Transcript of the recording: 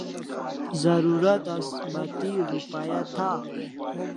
Zarurat as bati rupaya tha